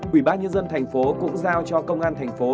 quỹ bác nhân dân thành phố cũng giao cho công an thành phố